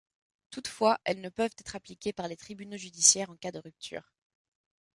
Toutefois, elles ne peuvent être appliquées par les tribunaux judiciaires en cas de rupture.